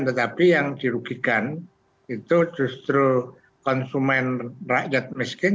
tetapi yang dirugikan itu justru konsumen rakyat miskin